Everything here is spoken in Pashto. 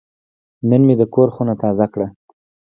نن مې د کور خونه تازه کړه.